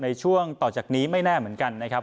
ในช่วงต่อจากนี้ไม่แน่เหมือนกันนะครับ